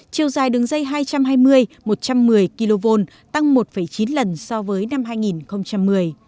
chiều dài đường dây hai trăm hai mươi một trăm một mươi kv tăng một chín lần so với năm hai nghìn một mươi